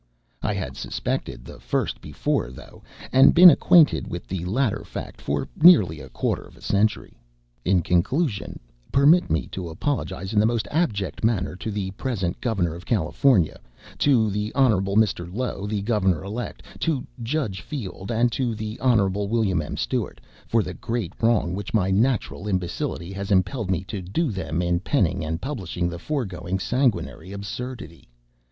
I had suspected the first before, though, and been acquainted with the latter fact for nearly a quarter of a century. In conclusion, permit me to apologize in the most abject manner to the present Governor of California, to Hon. Mr. Low, the Governor elect, to Judge Field and to Hon. Wm. M. Stewart, for the great wrong which my natural imbecility has impelled me to do them in penning and publishing the foregoing sanguinary absurdity.